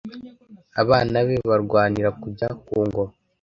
abana be barwanira kujya ku ngoma